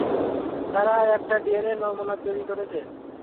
তারা একটা ডিএনএ নমুনা চুরি করেছে।